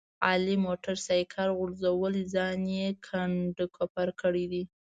علي موټر سایکل غورځولی ځان یې کنډ کپر کړی دی.